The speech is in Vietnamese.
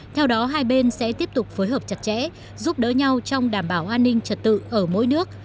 theo đó hai bên sẽ tiếp tục phối hợp chặt chẽ giúp đỡ nhau trong đảm bảo an ninh trật tự ở mỗi nước